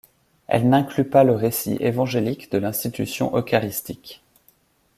Elle n'inclut pas le récit évangélique de l'Institution eucharistique.